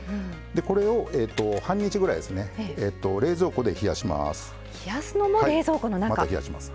これを半日ぐらい冷蔵庫で冷やします。